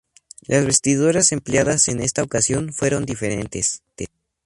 Las vestiduras empleadas en esta ocasión fueron diferentes.